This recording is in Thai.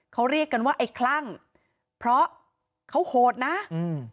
เขาเรียกกันว่าไอ้คลั่งเพราะเขาโหดนะอืม